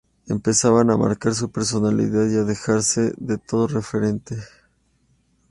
Empezaban a marcar su personalidad y a alejarse de todo referente.